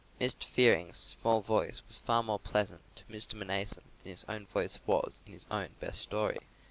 Mr. Fearing's small voice was far more pleasant to Mr. Mnason than his own voice was in his own best story.